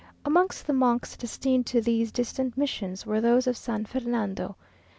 Amongst the monks destined to these distant missions were those of San Fernando.